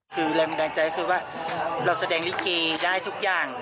คือแรงบันดาลใจคือว่าเราแสดงลิเกได้ทุกอย่าง